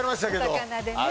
お魚でね。